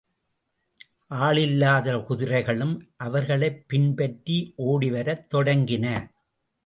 ஆளில்லாத குதிரைகளும் அவர்களைப் பின்பற்றி ஓடிவரத் தொடங்கின.